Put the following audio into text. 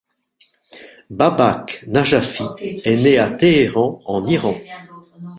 Babak Najafi est né à Téhéran, en Iran.